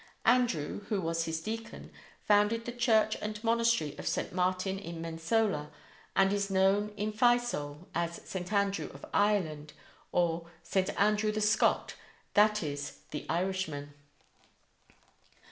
Andrew, who was his deacon, founded the church and monastery of St. Martin in Mensola, and is known in Fiesole as St. Andrew of Ireland, or St. Andrew the Scot, that is, the Irishman.